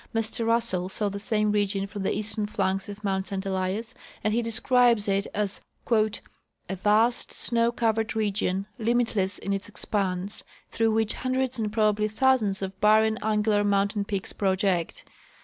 Mr RusSell saw the same region from the eastern flanks of mount St Elias, and he describes it as' "A vast snow covered region, limitless in its expanse, through which hundreds and probably thousands of barren, angular mountain peaks project.